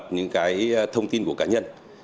những cái thông tin của cá nhân